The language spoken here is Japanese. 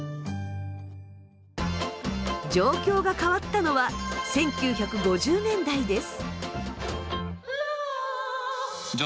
状況が変わったのは１９５０年代です。